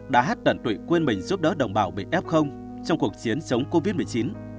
đã hát tận tụy quyên mình giúp đỡ đồng bào bị ép không trong cuộc chiến sống covid một mươi chín